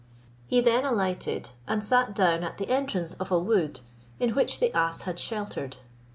He then alighted, and sat down at the entrance of a wood, in which the ass had sheltered.